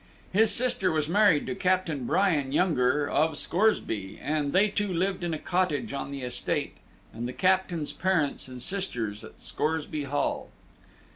His sister was married to Captain Bryan, younger, of Scoresby, and they two lived in a cottage on the estate, and the Captain's parents and sisters at Scoresby Hall.